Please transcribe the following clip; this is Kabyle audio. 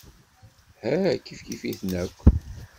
Ha kif kif-itent akk.